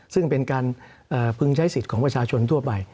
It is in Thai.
ซึ่งเป็นการพึงใช้สิทธิ์ของประชาชนทั่วไป